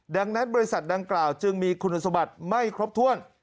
ดังนั้นบริษัทดังกล่าวจึงมีคุณสมบัติไม่ครบถ้วน